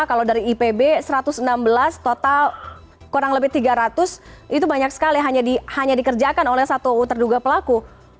kalau dari ipb satu ratus enam belas total kurang lebih tiga ratus itu banyak sekali hanya dikerjakan oleh satu terduga pelaku